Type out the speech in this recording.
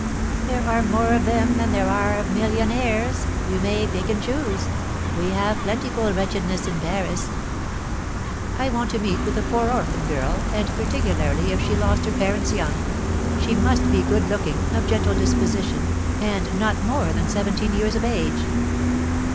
"There are more of them than there are of millionaires; you may pick and choose. We have plentiful wretchedness in Paris." "I want to meet with a poor orphan girl, and particularly if she lost her parents young. She must be good looking, of gentle disposition, and not more than seventeen years of age."